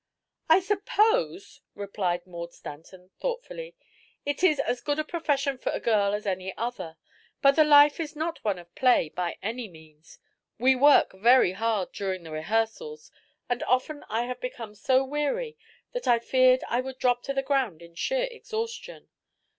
"I suppose," replied Maud Stanton, thoughtfully, "it is as good a profession for a girl as any other. But the life is not one of play, by any means. We work very hard during the rehearsals and often I have become so weary that I feared I would drop to the ground in sheer exhaustion.